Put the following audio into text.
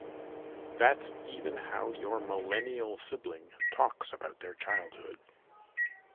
That's even how your millennial sibling talks about their childhood.